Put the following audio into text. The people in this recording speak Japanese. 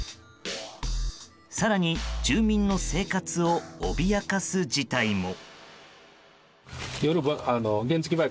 更に住民の生活を脅かす事態も。